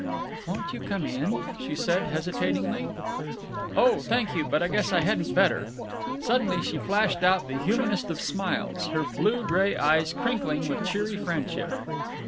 "Won't you come in?" she said, hesitatingly. "Oh, thank you, but I guess I hadn't better." Suddenly she flashed out the humanest of smiles, her blue gray eyes crinkling with cheery friendship.